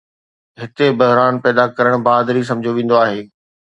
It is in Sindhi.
هتي، بحران پيدا ڪرڻ بهادري سمجهيو ويندو آهي.